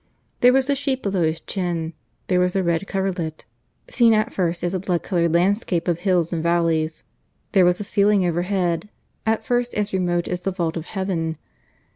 There was the sheet below his chin; there was a red coverlet (seen at first as a blood coloured landscape of hills and valleys); there was a ceiling, overhead, at first as remote as the vault of heaven.